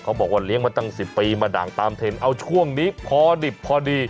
เขาบอกว่าเลี้ยงมาตั้ง๑๐ปีมาด่างตามเทรนด์เอาช่วงนี้พอดิบพอดี